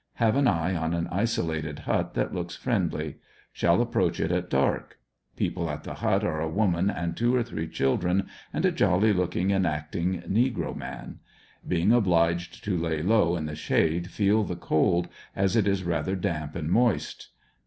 Have an eye on an isolated hut that looks friendly. Shall approach it at dark. People at the hut are a woman and two or three chil dren, and a jolly looking and acting negro man. Being obliged to lay low in the shade feel the cold, as it is rather damp and moist.